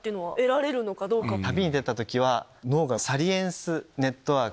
旅に出た時は脳がサリエンスネットワーク